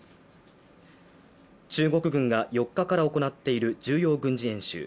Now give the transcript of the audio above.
中国軍が４日から行っている重要軍事演習。